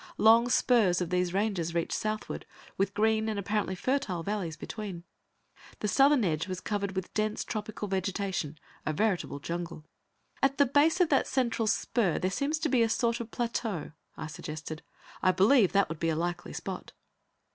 Long spurs of these ranges reached southward, with green and apparently fertile valleys between. The southern edge was covered with dense tropical vegetation; a veritable jungle. "At the base of that central spur there seems to be a sort of plateau," I suggested. "I believe that would be a likely spot."